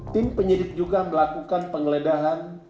tim penyidik juga melakukan penggeledahan